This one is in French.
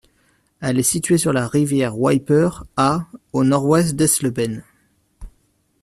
Elle est située sur la rivière Wipper, à au nord-ouest d'Eisleben.